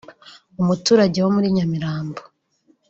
umuturage wo muri Nyamirambo